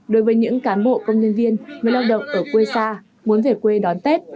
đối với những cán bộ công nhân viên người lao động ở quê xa muốn về quê đón tết